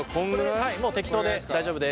はいもう適当で大丈夫です。